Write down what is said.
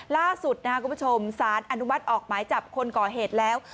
ล่าสุดสารอนุมัติออกหมายจับคนก่อเหตุแล้ว